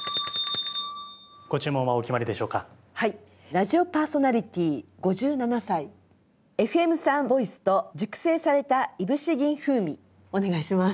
「ラジオパーソナリティー５７歳ＦＭ産ボイスと熟成されたいぶし銀風味」お願いします。